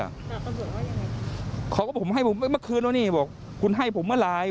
แต่ตำรวจว่ายังไงเขาก็บอกผมให้ผมเมื่อคืนแล้วนี่บอกคุณให้ผมเมื่อไหร่